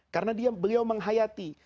karena dia beliau menghayati